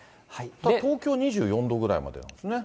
東京２４度ぐらいまでなんですね。